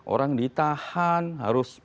orang ditahan harus